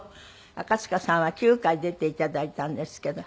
赤塚さんは９回出て頂いたんですけど。